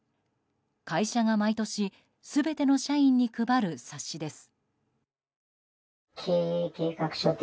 会社が毎年全ての社員に配る冊子です。